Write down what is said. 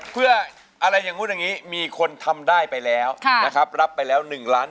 หรือด้านซ้ายบอกพี่ป่านด้านซ้าย